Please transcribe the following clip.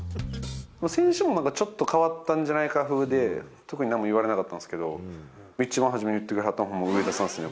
選手もなんかちょっと変わったんじゃないかふうで、特になんも言われなかったんですけど、一番初めに言ってくれはったのは、上田さんっすね。